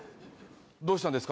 どうしたんですか？